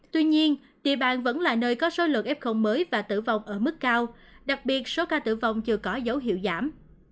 tuy nhiên địa bàn vẫn là nơi có số lượng f mới và tử vong ở mức cao đặc biệt số ca tử vong chưa có dấu hiệu giảm